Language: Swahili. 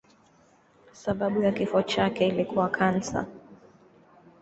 Sababu ya kifo chake ilikuwa kansa.